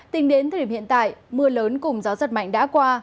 tính đến thời điểm hiện tại mưa lớn cùng gió giật mạnh đã qua